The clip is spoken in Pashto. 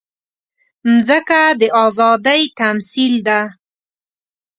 مځکه د ازادۍ تمثیل ده.